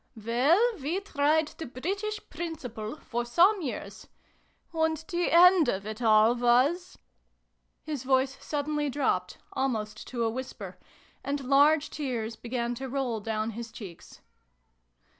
" Well, we tried ' the British Principle ' for some years. And the end of it all was " His voice suddenly dropped, almost to a whisper ; and large tears began to roll down his cheeks.